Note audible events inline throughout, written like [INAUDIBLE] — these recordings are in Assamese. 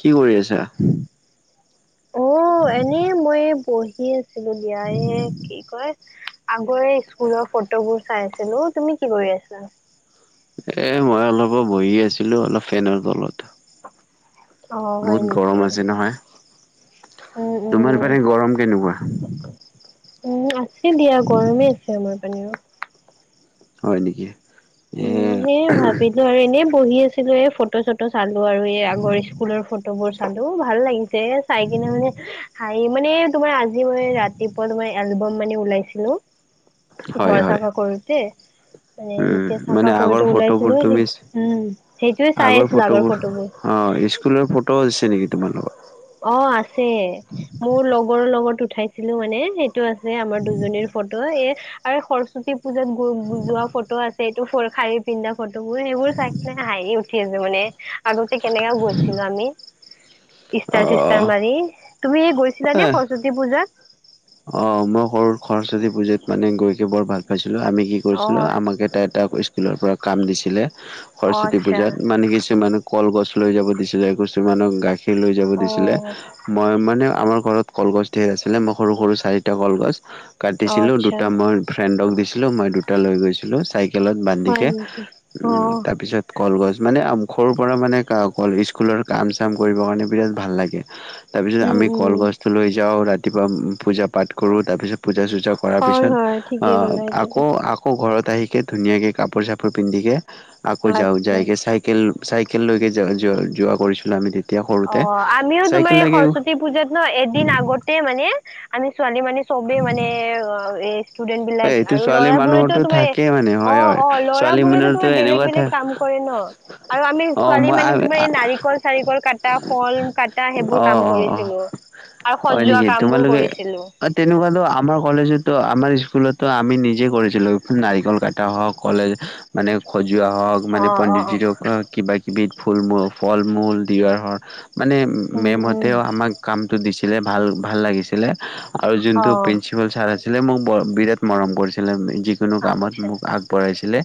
কি কৰি আছা অ এনেই মই বহি আছিলো দিয়াই কি কয় আগৰে স্কুলৰ ফটোবোৰ চাইছিলো তুমি কি কৰি আছা [INAUDIBLE] এ মই অলপো বহি আছিলো অলপ ফেনৰ তলত অ' হয় বহুত গৰম নেকি? আছে নহয় উম, তুমাৰ উম, পাৰে গৰম কেনেকুৱা উম আছে দিয়া গৰমে আছে আমাৰ পানীওঁ হয় নেকি এ উম সেই ভাবিলো আৰু এনেই বহি আছিলো এ ফটো চটো চাল আৰু আগৰ স্কুলৰ ফটোবোৰ চালো ভাল লাগিছে চাই কিনে মানে এই মানে তোমাৰ আজি মই ৰাতিপুৱা তোমাৰ এলবাম মানে ওলাইছিলো হয় ঘৰ হয়। চাফা কৰোতে মানে যেতিয়া উম চাফা মানে আগৰ কৰোতে ওলাইছিলো ফটোবোৰ সেই তুমি উম সেইটোয়ে চাই আগৰ আছিলো ফটোবোৰ অ স্কুলৰ ফ টছ আছে তুমাৰ অ আছে মোৰ লগৰৰ লগত উঠাইছিলো মানে সেই আছে আমাৰ দুজনীৰ ফটো এ আৰু সৰস্বতী পূজাত গোৱা যোৱা ফটো আছে এইটো ফৰ খাৰী পিন্ধা ফটোবোৰ সেইবোৰ চাই পেলাই হাঁহি উঠি আছে মানে আগত কেনেককাে গৈছিলো আমি ষ্টল চিষ্টল অ' মাৰি তুমি গৈছিলা নে এ সৰস্বতী পূজাত অ মই সৰু সৰস্বতী পুজাত মানে গৈছিলো বৰ ভাল পাইছিলো আমি কি অ কৰিছিলো আমাক এটা এটা স্কুলৰ পৰা কাম দিছিলে অ সৰস্বতী আচ্ছা পূজাত মানে কিছুমান কলগছ লৈ যাব দিছিলে কিছুমানক গাখীৰ লৈ যাব অ দিছিলে মই মানে আমাৰ ঘৰত কলগছ ধঢেৰ আছিলে মই সৰু সৰু চাৰিটা কলগছ অ কাটিছিলোঁ আচ্ছা দুটা মই ফ্ৰেণ্ডক দিছিলোঁ মই দুটা লৈ গৈছিলোঁ চাইকেলত হয় বান্ধিকে নেকি অ তাৰপিছত কলগছ মানে সৰুৰ পৰা মানে স্কুলৰ কাম চাম কৰিবৰ কাৰণে বিৰাট ভাল লাগে তাৰপিছত উম আমি উম কলগছটো লৈ যাওঁ ৰাতিপুৱা পূজা পাঠ কৰোঁ তাৰপিছত পূজা চূজা কৰাৰ হয় পিছত হয় ঠিকেই ক'লা এইটোতো আকৌ আকৌ ঘৰত কাহকে ধুনীয়াকৈ কাপোৰ চাপোৰ পিন্ধিকে আকৌ যাওঁ আচ্ছা যাইকে চাইকেল চাইকেললৈকে য য যোৱা কৰিছিলো আমি তেতিয়া। অ সৰুতে। আমিও তোমাৰ চাইকেল এই লাগে সৰস্বতী পূজাত ন এদিন আগতে মানে আমি। ছোৱালী মানে চবে মানে অ। ষ্টুডেন্ট এ বিলাক এইটো আৰু ছোৱালী ল'ৰা বোৰেতো মানুহৰতো তোমাৰ থাকেই মানে অ হয় হয়। অ ল'ৰা ছোৱালী বোৰেতো মানুহৰতো তোমাৰ বেলেগ এনেকুৱা থা বেলেগ কাম কৰে। ন আৰু আমি অ ছোৱালী মই মানুহ তোমাৰ এই নাৰিকল চাৰিকল কাটি। ক ফল কাটা অ সেইবোৰ অ কাম অ কৰিছিলো। আৰু হয় সজোৱা নেকি। কাম বোৰ তোমালোকে কৰিছিলো তেনেকুৱাতো আমাৰ কলেজত আমাৰ। আমি নিজে কৰিছিলো নাৰিকল কটা হওক কলে মানে খজোৱা। যোৱা হওঁক অ মানে অ অ পণ্ডিতজিক কিবা কিবি ফুল মূল ফল মূল দি হক। মানে উম উম মেমহঁতেও আমাক কামটো দিছিলে ভাল ভাল লাগিছিলে। আৰু অ যোনটো প্ৰিন্সিপাল ছাৰ আছিলে। মোক বিৰাট মৰম কৰিছিলে। যিকোনো কামত আচ্ছা মোক আগবঢ়াইছিলে।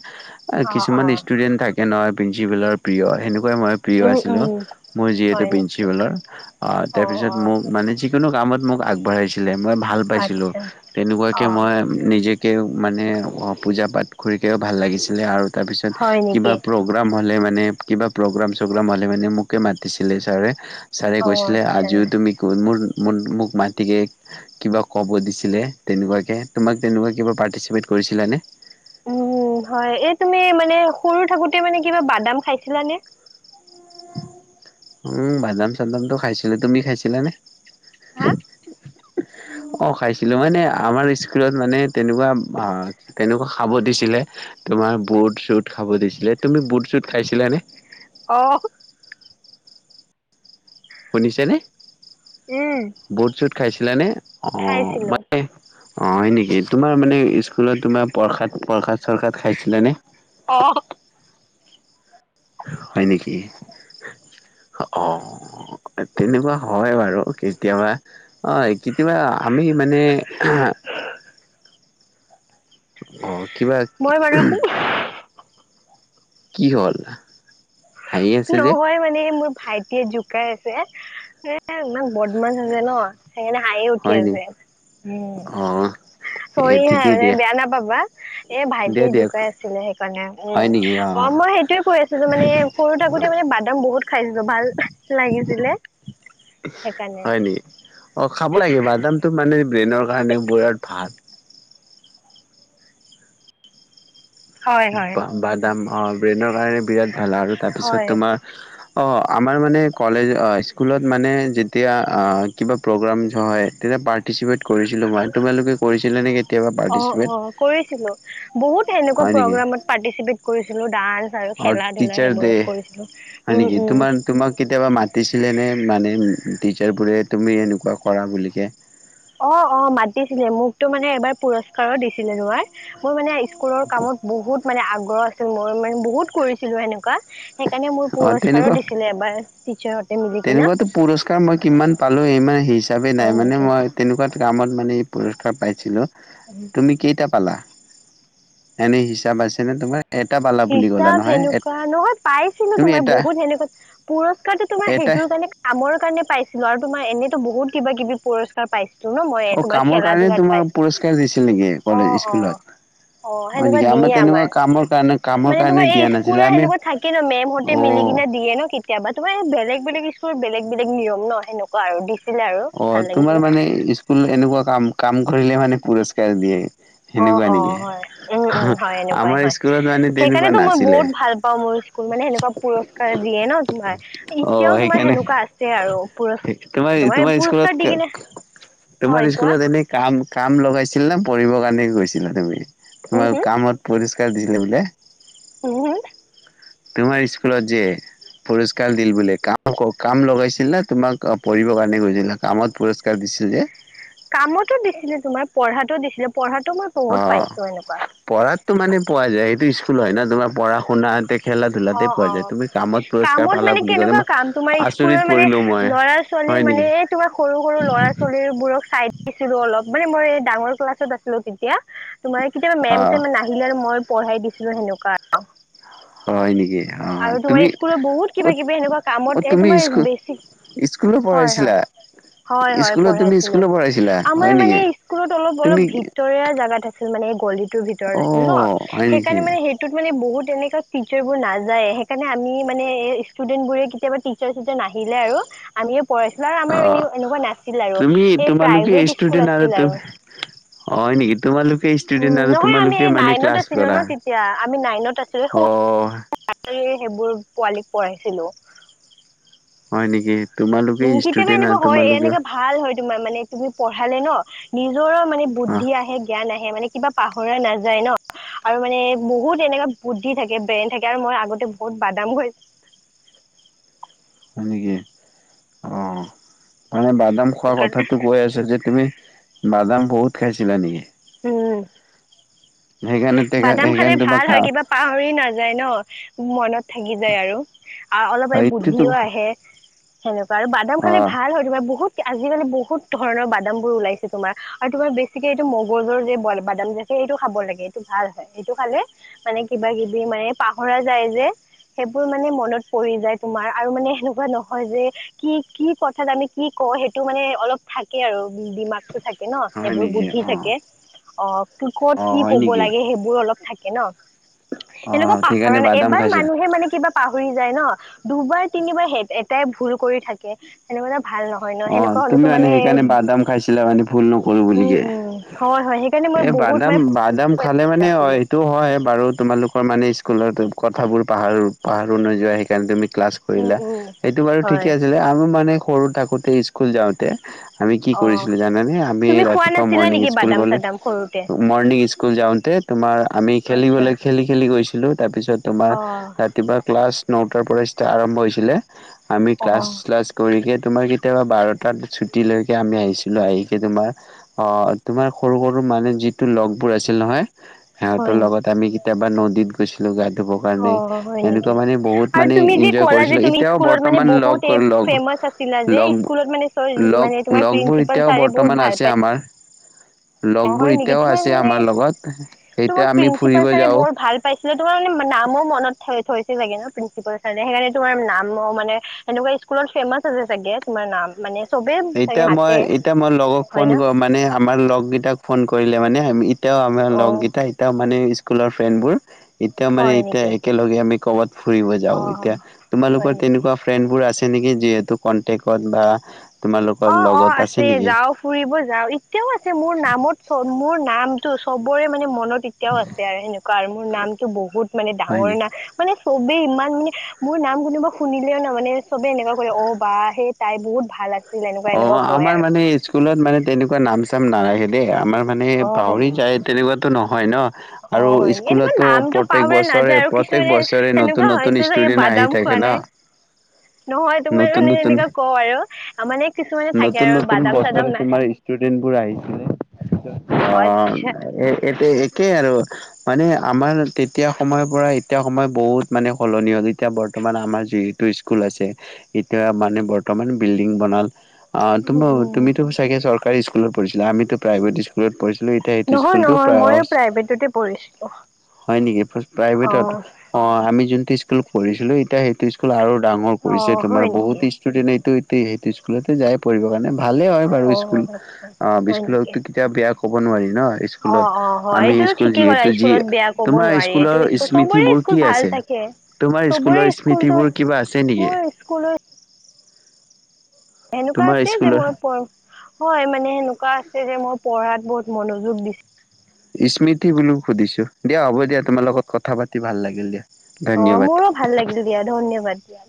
অ অ কিছুমান ষ্টুডেন্ট থাকে নহয়। প্ৰিঞ্চিপালৰ প্ৰিয় হেনে। মই প্ৰিয় উম আছিলো উম মোৰ যিহেতু হয় নেকি প্ৰিন্ঞ্চিপালৰ। অ তাৰপিছত অ মোক মানে যিকোনো কামত। মোক আগবঢ়াইছিলে। মই ভাল পাইছিলোঁ। আচ্ছা তেনেকুৱাকে অ' মই নিজে মানে পূজা পাঠ কৰিকও ভাল লাগিছিলে। আৰু তাৰপিছত হয় কিবা নেকি প্ৰগাম। হ'লে মানে কিবা প্ৰগাম চগ্ৰাম হ'লে মানে মোকে মাতিছিলে ছাৰে। ছাৰে অ' কৈছিলে। আচ্ছা আজিও তুমি মোৰ। ম মোক মাটিকে কিবা ক'ব দিছিলে তেনেকুৱা। তোমাক তেনেকুৱা কিবা পাৰতিচেপত কৰিছিলা নে। উম হয়। এই তুমি মানে সৰু থাকোতে মানে কিবা বাদাম খাইছিলানে। উম বাদাম চাদামটো খাইছিলা। তুমি খাইছিলানে? হা [UNINTELLIGIBLE] অ খাইছিলো মানে আমাৰ স্কুলত মানে তেনেকুৱা তেনেকুৱা খাব দিছিলে। তোমাৰ বুট চুট খাব দিছিলে। তুমি বুট চুট খাইছিলা নে। আহ। শুনিছেনে উম বুট চুট খাইছিলানে। অ খাইছিলো মানে অ হয় নেকি। তোমাৰ মানে স্কুলত তোমাৰ প্ৰসাদ, প্ৰসাদ। চৰখাত পাইছিলানে। অ' হয় নেকি। অ, তেনেকুৱা হয় বাৰু কেতিয়াবা কেতিয়াবা আমি মানে। [UNINTELLIGIBLE] অ, কিবা। মই মানে কি হ'ল। হাঁহি আছে যে নহয় মানে মোৰ ভাইটিয়ে জোকাই আছে। এ ইমান বদ মাছ আছে ন। সেইকাৰানে হাই উঠি হয় নি আছে উম। অ এ চৰি হা ঠিকেই মানে দিয়া বেয়া নাপাবা। এ দিয়া ভাইটিয়ে দিয়ক জোকাই আছিলে। সেইকাৰণে উম হয় নেকি অ ক মই সেইটোয়ে কৈ আছিলো। মানে সৰু থাকোতে মানে বাদাম বহুত খাইছিলো। ভাল লাগিছিলে সেইকাৰণে হয় নেকি। অ খাব লাগে বাদামটো মানে। ব্ৰেইনৰ কাৰণে পোৰৰাট ভাল। হয় হয়। বাদাম ব্ৰেইনৰ কাৰণে বিৰাট ভাল আৰু তাৰপিছত হয় তোমাৰ। অ, আমাৰ মানে কলেজ স্কুলত মানে যেতিয়া কিবা প্ৰগামছ হয় তেতিয়া পাৰ। পাৰ্টিচিপেট কৰিছিলোঁ মই। তোমালোকে কৰিছিলা নে কেতিয়াবা অ' পাৰ্টিচিপেট। অ' কৰিছিলোঁ বহুত সেনেকুৱা হয় নেকি প্ৰগামত পাৰ্টিচিপেট কৰিছিলো ডান্স আৰু অ খেলা ধুলা টিচাৰ ডে সেইবোৰত কৰিছিলো। হয় নেকি। তোমাৰ তোমাক কেতিয়াবা মাতিছিলে নে মানে টিচাৰবোৰে। তুমি এনেকুৱা কৰা বুলিকে। অ, অ, মাতিছিলে মোকতো মানে এবাৰ পুৰস্কাৰো দিছিলে নোবাৰ মোৰ মানে। স্কুলৰ কামত বহুত মানে আগ্ৰহ আছিল। মই মানে বহুত কৰিছিলো সেনেকুৱা। সেইকাৰণে মোৰ অ পুৰস্কাৰো তেনেকুৱা দিছিলে এবাৰ টিচাৰহতে মিলি কিনা। তেনেকুৱাতো চাবি নাই হয় মানে নেকি। মই তেনেকুৱাত কামত মানে পুৰস্কাৰ পাইছিলো। উম তুমি কেইটা পালা এনে হিচাপ আছে নে তোমাৰ এটা পালা বুলি ক'লা হিচাপ নহয় সেনেকুৱা নহয় পাইছিলো তুমি তোমাৰ এটা বহুত সেনেকুৱা পুৰস্কাৰটো তোমাৰ এটা সেইটোৰ কাৰণে বাত কামৰ কাৰণে পাইছিলো আৰু তোমাৰ এনেতো বহুত কিবা কিবি পুৰস্কাৰ পাইছো ন মই এ অ তোমাৰ কামৰ খেলা কাৰণে ধূলাত তোমাৰ পুৰস্কাৰ দিছিল নেকি পাইছো। কলেজ অ' স্কুলত অ' অ' হয় সেনেকুৱা নেকি দিয়ে তেনেকুৱা আমাৰ কামৰ কাৰণে কামৰ মানে কাৰণে তোমাৰ এই দিয়া নাছিলে স্কুলৰ আমি সেনেকুৱা থাকে ন মে'মহতে অ মিলি কিনে দিয়ে ন কেতিয়াবা তোমাৰ হে বে বেলেগ বেলেগ স্কুলৰ বেলেগ বেলেগ নিয়ম ন সেনেকুৱা আৰু দিছিলে আৰু ভাল অ' তোমাৰ লাগিছিলে মানে স্কুল এনেকুৱা কাম কাম কৰিলে মানে পুৰস্কাৰ দিয়ে অ' সেনেকুৱা অ' নেকি হয় উম উম হয় এনেকুৱাই আমাৰ হয় স্কুলত মানে তেনেকুৱা সেইকাৰণেতো মই নাছিলে বহুত ভাল পাওঁ মোৰ স্কুল মানে সেনেকুৱা পুৰস্কাৰ দিয়ে ন তোমাৰ অ এতিয়াও তোমাৰ সেইকাৰণে সেনেকুৱা আছে আৰু পুৰস্কা তোমাৰ তোমাৰ স্কুলত কে হয় তোমাৰ কোৱা স্কুলত এনেই কাম কাম লগাইছিল না পঢ়িবৰ কাৰণে গৈছিলা তুমি হম, তোমাৰ কামত পুৰিষ্কাৰ দিলে যে হো হো তোমাৰ স্কুলত যে পুৰস্কাৰ দিল বুলে। কাম ক কাম লগাইছিল না তোমাক পঢ়িব কাৰণে গৈছিলা? কামত পুৰস্কাৰ দিছিল ছিল যে কামতো দিছিলে তোমাৰ পঢ়াতো দিছিলে পঢ়াত অ পঢ়াতো মানে পোৱা যায় সেইটো স্কুল হয় ন তোমাৰ পঢ়া শুনাতে খেলা ধূলাতে অ', পোৱা যায়। অ'। তুমি কামত পুৰস্কাৰ কামত পালা মানে বুলি ক'লা কেনেকুৱা মই কাম তোমাৰ আচৰিত স্কুলৰ পৰিলো ল'ৰা মই মানে হয় মানে নেকি এই তোমাৰ সৰু সৰু ল'ৰা ছোৱালীবোৰক চাই দিছিলো অলপ মানে মই ডাঙৰ ক্লাছত আছিলো তেতিয়া তোমাৰ কেতিয়াবা অ মে'ম চেম নাহিলে আৰু মই পঢ়াই দিছিলো ছিলো হেনকা আৰু হয় নেকি অ আৰু তোমাৰ তুমি স্কুলৰ বহুত কিবা অ কিবি এনেকুৱা কামত এ তোমাৰ বেছি স্কুলো হয় হয় পঢ়াইছিলা হয় হয় স্কুলত তুমি পঢ়াইছিলো। স্কুলত পঢ়াইছিলা আমাৰ হয় মানে নেকি? স্কুলত অলপ অলপ তুমি ভিতৰিয়া জাগাত আছে। মানে গলিটোৰ ভিতৰত অ আছিল ন। হয় নেকি? সেইকাৰণে মানে সেইটোত মানে বহুত এনেকা ৰ্চাৰবোৰ নাযায়ে সেইকাৰণে আমি মানে ষ্টুডেন্ট বোৰে কেতিয়াবা টিচাৰ চিচাৰ নাহিলে আৰু আমিয়ে পঢ়াইছিলো আৰু অ আমাৰ এনে এনেকুৱা নাছিল আৰু তুমি এই তোমালোকে প্ৰাইভেট স্কুল ষ্টুডেন্ট আছিল আৰু তুমি হয় নিকি। তোমালোকে ষ্টুডেন্ট উম আৰু নহয় আমি তোমালোকে এই মানে নাইনত ক্লাছ আছিলো কৰা ন তেতিয়া আমি নাইনত আছিলো অ অ সৰু অ [UNINTELLIGIBLE] সেইবোৰ পোৱালীক পঢ়াইছিলো হয় নিকি উম কেতিয়াবা এনেকুৱা হয়। এনেকা ভাল হয় তোমাৰ মানে তুমি প পঢ়ালে ন নিজৰো মানে অ বুদ্ধি আহে, জ্ঞান আহে মানে কিবা পাহৰা নাযায় ন আৰু মানে বহুত এনেকা বুদ্ধি থাকে, ব্ৰেইন থাকে আৰু মই আগতে বহুত বাদাম খাই [UNINTELLIGIBLE] হয় নিকি অঁ মানে বাদাম খোৱা সেইকাৰণে কথাটো কৈ আছা যে তুমি বাদাম বহুত খাইছিলা নিকি উম সেইকাৰণে বাদাম খালে সেইকাৰণে তোমাৰ ভাল কা হয় কিবা পাহৰি নাযায় ন। মনত থাকি যায় আৰু আৰু অলপ সেইটোতো বুদ্ধিও আহে সেনেকুৱা আৰু বাদাম অ খালে ভাল হয় তোমাৰ বহুত আজিকালি বহুত ধৰণৰ বাদাম বোৰ ওলাইছে তোমাৰ আৰু তোমাৰ বেছিকে এইটো মগ গজৰ যে বল বাদাম যে সেইটো খাব লাগে এইটো ভাল হয় সেইটো খালে মানে কিবা কিবি মানে পাহৰ কৰা যায় যে সেইবোৰ মানে মনত পৰি যায় তোমাৰ আৰু মানে সেনেকুৱা নহয় যে কি কি কথাত আমি কি অ সেইটো মানে অলপ থাকে আৰু দিমাকত থাকে ন হয় সেইবোৰ নেকি? বুদ্ধি অ থাকে অ ত কত অ কি হয় কব নেকি? লাগে সেইবোৰ অলপ থাক- ন অ সেনেকুৱা পাহৰা সেইকাৰণে নাই বাদাম এবাৰ খাইছিল মানুহে মানে কিবা পাহৰি যায় ন। দুবাৰ তিনিবাৰ এটাই ভুল কৰি থাকে সেনে মানে অ, তুমি মানে সেইকাৰণে বাদাম খাইছিলা মানে ভুল নকৰো উম বুলিকে। উম হয় হয় সেইকাৰণে মই এ বহুত বাদাম মানে - বাদাম খালে মানে অ, আছিলো সেইটো হয় বাৰু তোমালোকৰ মানে স্কুলতো কথাবোৰ পাহাৰো - পাহাৰো নোযোৱা সেইকাৰণে তুমি ক্লাছ উম কৰিলা উম সেইটো বাৰু হয় ঠিকে আছিলে আমি মানে সৰু থাকোতে স্কুল যাওতে আমি কি অ কৰিছিলো জানানে আমি তুমি খোৱা ৰাতিপুৱা নাছিলা মৰ্ণিং নেকি স্কুল বাদাম গ'লে চাদাম সৰুতে মৰ্ণিং স্কুল স্কুল যাওতে তোমাৰ আমি আচ্ছা খেলিবলৈ খেলি-খেলি গৈছিলো। তাৰপিছত তোমাৰ অ ৰাতিপুৱা ক্লাছ নটাৰ পৰাষ্ট আৰম্ভ হৈছিলে। আমি অ ক্লাছ শ্লাছ কৰিকে তোমাৰ কেতিয়াবা বাৰটাত ছুটী লৈকে আমি আহিছিলো আহিকে তোমাৰ অ, তোমাৰ সৰু - সৰু মানে যি টো লগবোৰ আছিল নহয় সিহতৰ হয় লগত নেকি আমি কেতিয়াবা নদীত গৈছিলো গাত ধুব অ কাৰণে হয় এনেকুৱা নেকি মানে বহুত আৰু মানে তুমি যে এনজয় ক'লা যে কৰিছিলো তুমি এতিয়াও স্কুলত মানে বৰ্তমান বহুত এই লগ-লগ ফেমাচ আছিলা যে লগ স্কুলত মানে - মানে লগ তোমাৰ লগবোৰ প্ৰিন্সিপাল এতিয়াও বৰ্তমান আছে আমাৰ লগবোৰ নহয় নেকি এতিয়াও তোমাৰ আছে মানে আমাৰ লগত এতিয়া তোমাৰ আমি প্ৰিঞ্চিপাল ফুৰিব ছাৰে যাওঁ বৰ ভাল পাইছিলে তোমাৰ মানে নামো মনত থৈ- থৈ প্ৰিঞ্চিপাল ছাৰে সেইকাৰণে তোমাৰ নাম মানে সেনেকুৱা স্কুলত ফেমাচ আছে চাগে তোমাৰ নাম মানে চবে এতিয়া চাগে মই মাতে এতিয়া মই লগক ফোন হয় ন মানে আমাৰ লগকেইটাক ফোন কৰিলে মানে এতিয়াও আমাৰ অ লগ গেইটা এতিয়াও মানে স্কুলৰ ফ্ৰেণ্ড বোৰ এতিয়া মানে হয় এতিয়া নেকি একেলগে আমি কৰ'বাত ফুৰিব যাও অ এতিয়া তোমালোকৰ হয় নেকি তেনেকুৱা ফ্ৰেণ্ড বোৰ আছে সেনেকে যিহেতু কনটেক্টত বা তোমালোকৰ অ - অ লগত আছে নেকি যাও ফুৰিব যাও এতিয়াও আছে মোৰ নামত চ মোৰ নাম চবৰে মানে মনত এতিয়াও আছে আৰু সেনেকুৱা আৰু মোৰ নামটো বহুত মানে হয় ডাঙৰ নে নাম মানে চ চবেই ইমান মানে মোৰ নাম কোনোবা শুনিলেও ন মানে চবে এনেকুৱা কৰে অ, বা সেই তাই বহুত ভাল আছে। অ, আমাৰ মানে স্কুলত মানে তেনেকুৱা নাম চাম নাৰখে দেই আমাৰ মানে অ', পাহৰি যায় তেনেকুৱাতো নহয় ন। আৰু অ', হয় নেকি এনেকুৱা স্কুলতো নামটো প্ৰত্যেক পাহৰা বছৰে নাযায় আৰু - প্ৰত্যেক কিছুমানে বছৰে সেনেকুৱা নতুন নতুন হৈছে চাগে ষ্টুডেন্ট আহি বাদাম থাকে। খোৱা ন নহয় তোমাৰ নতুন মানে নতুন এনেকা কও আৰু মানে কিছুমানে থাকে নতুন - আৰু নতুন বাদাম চাদাম বছৰে নাই তোমাৰ ষ্টুডেন্ট বোৰ আহিছিলে অ, আচ্ছা এ এটো একেই আৰু মানে আমাৰ তেতিয়া সময়ৰ পৰা এতিয়া সময় বহুত মানে সলনি হ'ল এতিয়া বৰ্তমান আমাৰ যিহেতু স্কুল আছে এতিয়া মানে বৰ্তমান বিল্ডিং বনাল অ, উম, তুম উম। তুমিতো চাগ চকাৰী স্কুলত পঢ়িছিলা আমিতো প্ৰাইভেট স্কুলত পঢ়িছো। এতি সেটো নহয় স্কুলটো নহয় প্ৰা ময়ো প্ৰাইভেটতে পঢ়িছিলোঁ হয় নেকি প্ৰাইভেটত অঁ অ, আমি যোন স্কুলত এতিয়া সেইটো স্কুল আৰু ডাঙৰ কৰিছে অঁ তোমাৰ হয় বহুত নেকি ষ্টুডেণ্ট এইটো সেইটো স্কুল স্কুলতে যাই পঢ়িব কাৰণে ভালে হয় বাৰু অঁ স্কুল আচ্ছা অ, হয় নেকি স্কুলতো কেতিয়া বেয়া ক'ব নোৱাৰিম ন অঁ স্কুলত অঁ হয় আমি এইটোতো স্কুল ঠিকেই ক'লা যিহেতু যি স্কুলত বেয়া ক'ব তোমাৰ স্কুলৰ স্মৃতি বোৰ কি আছে। তাকে তোমাৰ চবৰে স্কুলৰ স্কুলতো স্মৃতিবোৰ কিবা আছে নেকি মোৰ স্কুলৰ সেনেকুৱা তোমাৰ আছে যে স্কুলৰ মই পো হয় মানে সেনেকুৱা আছে যে মই পঢ়াত বহুত মনোযোগ দিছো। স্মৃতি বুলিও সুধিছো দিয়া হ'ব দিয়া তোমাৰ লগত কথা পাতি ভাল লাগিল দিয়া। অ, ধন্যবাদ মোৰো ভাল লাগিল দিয়া ধন্যবাদ দিয়া।